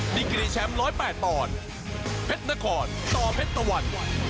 ดีกรีแชมป์๑๐๘ปอนด์เพชรนครต่อเพชรตะวัน